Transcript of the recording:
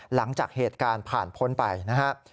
หลังจากเหตุการณ์ผ่านพ้นไปนะครับ